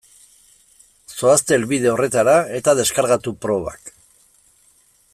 Zoazte helbide horretara eta deskargatu probak.